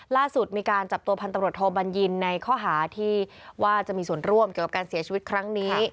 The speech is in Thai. ล่าสุดมีการจับตัวพันตำรวจโทบัญญินในข้อหาที่ว่าจะมีส่วนร่วมเกี่ยวกับการเสียชีวิตครั้งนี้